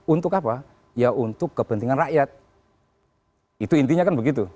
untuk apa ya untuk kepentingan rakyat itu intinya kan begitu